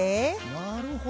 なるほどね。